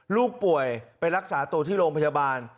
ลูกป่วยไปรักษาตัวที่โรงพยาบาล